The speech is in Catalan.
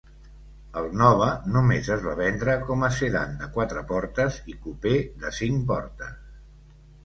El Nova només es va vendre com a sedan de quatre portes i cupè de cinc portes.